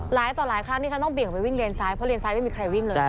หลายต่อหลายครั้งที่ฉันต้องเบี่ยงไปวิ่งเลนซ้ายเพราะเลนซ้ายไม่มีใครวิ่งเลย